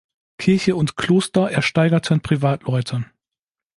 Kirche und Kloster ersteigerten Privatleute.